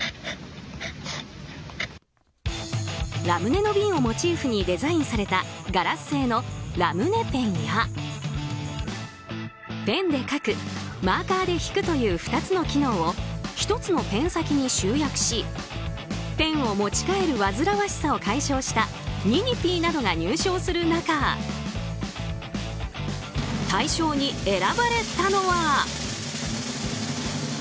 ラムネの瓶をモチーフにデザインされたガラス製のラムネペンやペンで書くマーカーで引くという２つの機能を１つのペン先に集約しペンを持ち替えるわずらわしさを解消したニニピーなどが入賞する中大賞に選ばれたのは。